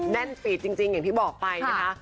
แน่นปีดจริงอย่างที่บอกไปนะคะ